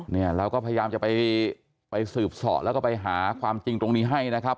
เนี่ยเราก็พยายามจะไปสืบเสาะแล้วก็ไปหาความจริงตรงนี้ให้นะครับ